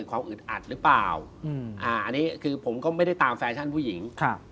คือผมก็ไม่ได้ตามแฟชั่นผู้หญิง